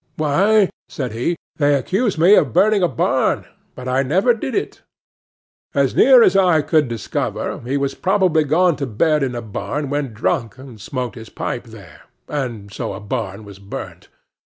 "Why," said he, "they accuse me of burning a barn; but I never did it." As near as I could discover, he had probably gone to bed in a barn when drunk, and smoked his pipe there; and so a barn was burnt.